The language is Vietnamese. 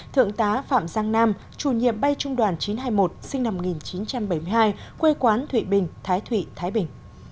thượng tá phạm giang nam chủ nhiệm bay trung đoàn chín trăm hai mươi một sinh năm một nghìn chín trăm bảy mươi hai quê quán thụy bình thái thụy thái bình